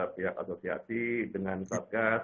pihak asosiasi dengan satgas